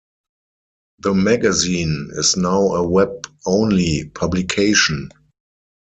The magazine is now a web-only publication.